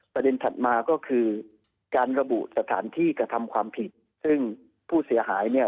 ถัดมาก็คือการระบุสถานที่กระทำความผิดซึ่งผู้เสียหายเนี่ย